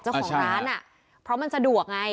เจ้าของร้านอ่ะเพราะมันสะดวกไง